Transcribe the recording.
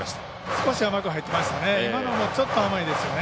少し甘く入っていましたね。